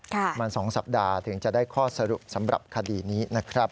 ประมาณ๒สัปดาห์ถึงจะได้ข้อสรุปสำหรับคดีนี้นะครับ